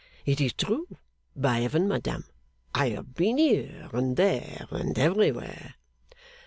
'It is true. By Heaven, madam, I have been here and there and everywhere!